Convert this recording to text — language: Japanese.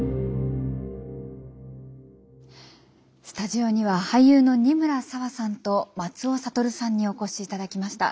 スタジオには俳優の仁村紗和さんと松尾諭さんにお越しいただきました。